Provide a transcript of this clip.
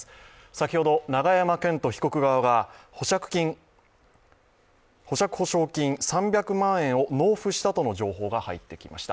先ほどん永山絢斗被告側が保釈保証金３００万円を納付したとの情報が入ってきました。